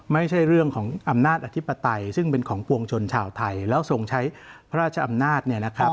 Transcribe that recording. ไม่ใช่เรื่องของอำนาจอธิปไตยซึ่งเป็นของปวงชนชาวไทยแล้วทรงใช้พระราชอำนาจเนี่ยนะครับ